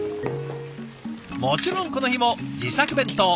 もちろんこの日も自作弁当。